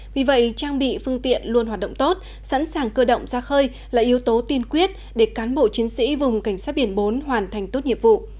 vì vậy trang bị phương tiện luôn hoạt động tốt sẵn sàng cơ động ra khơi là yếu tố tiên quyết để cán bộ chiến sĩ vùng cảnh sát biển bốn hoàn thành tốt nhiệm vụ